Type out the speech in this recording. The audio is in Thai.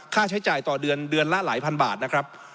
ค่าใช้จ่ายต่อเดือนเดือนละหลายพันบาทนะครับ